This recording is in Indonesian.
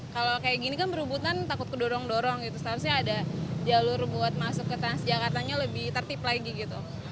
kalau kayak gini kan berebutan takut kedorong dorong seharusnya ada jalur buat masuk ke tras jakartanya lebih tertip lagi